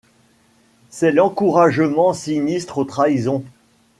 C'est l'encouragement sinistre aux trahisons.